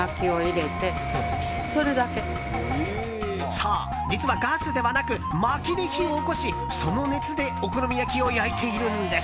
そう、実はガスではなくまきで火を起こしその熱でお好み焼きを焼いているんです。